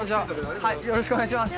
よろしくお願いします。